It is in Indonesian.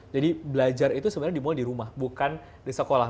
jadi belajar itu sebenarnya dimulai di rumah bukan di sekolah